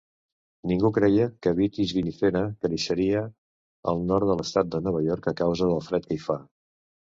Ningú creia que 'Vitis vinifera' creixeria al nord de l'estat de Nova York a causa del fred que hi fa.